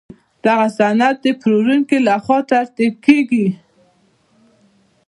دغه سند د پلورونکي له خوا ترتیب کیږي.